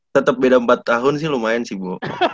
tetap beda empat tahun sih lumayan sih bu